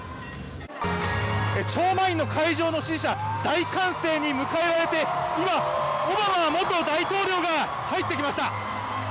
超満員の会場の支持者、大歓声に迎えられて、今、オバマ元大統領が入ってきました。